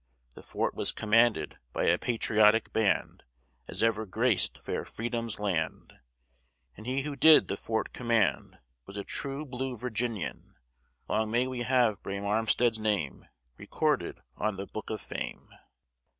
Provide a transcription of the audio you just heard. The fort was commanded by a patriotic band, As ever graced fair Freedom's land, And he who did the fort command Was a true blue Virginian. Long may we have brave Armstead's name Recorded on the book of fame.